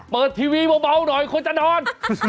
ทีวีเบาหน่อยคนจะนอน